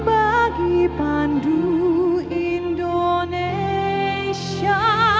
bagi pandu indonesia